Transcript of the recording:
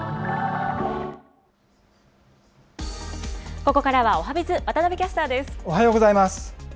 ここからはおはＢｉｚ、おはようございます。